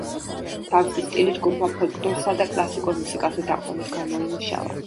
თავისი სტილი ჯგუფმა ფოლკლორსა და კლასიკურ მუსიკაზე დაყრდნობით გამოიმუშავა.